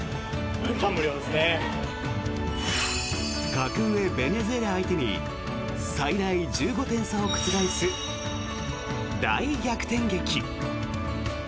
格上ベネズエラ相手に最大１５点差を覆す大逆転劇。